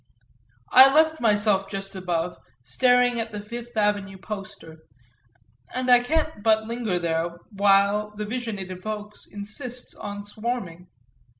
I left myself just above staring at the Fifth Avenue poster, and I can't but linger there while the vision it evokes insists on swarming.